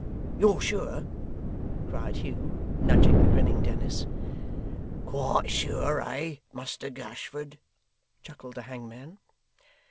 'You're sure?' cried Hugh, nudging the grinning Dennis. 'Quite sure, eh, Muster Gashford?' chuckled the hangman.